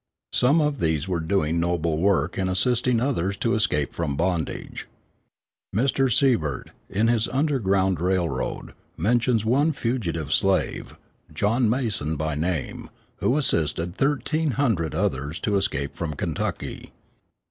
Some of these were doing noble work in assisting others to escape from bondage. Mr. Siebert, in his Underground Railroad, mentions one fugitive slave, John Mason by name, who assisted thirteen hundred others to escape from Kentucky.